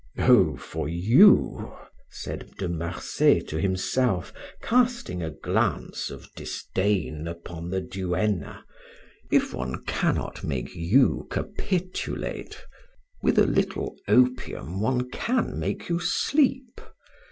"Oh, for you," said De Marsay to himself, casting a glance of disdain upon the duenna, "if one cannot make you capitulate, with a little opium one can make you sleep.